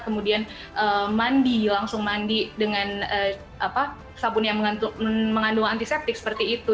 kemudian mandi langsung mandi dengan sabun yang mengandung antiseptik seperti itu